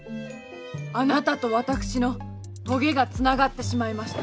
あなたと私のとげがつながってしまいました。